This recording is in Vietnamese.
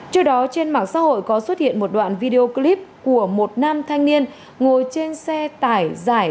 trước đó trên mạng xã hội có xuất hiện một đoạn video clip của một nam thanh niên ngồi trên xe tải giải